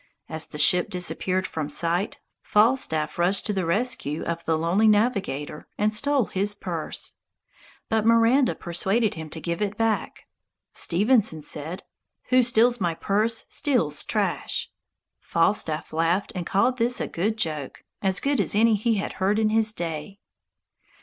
As the ship disappeared from sight, Falstaff rushed to the rescue of the lonely navigator and stole his purse! But Miranda persuaded him to give it back. Stevenson said, "Who steals my purse steals trash." Falstaff laughed and called this a good joke, as good as any he had heard in his day.